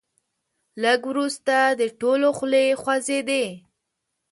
لږ وروسته د ټولو خولې خوځېدې.